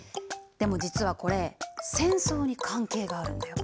でも実はこれ戦争に関係があるんだよ。